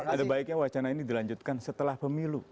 ada baiknya wacana ini dilanjutkan setelah pemilu